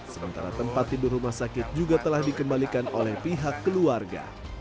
sementara tempat tidur rumah sakit juga telah dikembalikan oleh pihak keluarga